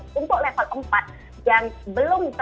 lalu ppkm level tiga level empat dan daerah muslim